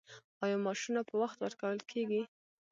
آیا معاشونه په وخت ورکول کیږي؟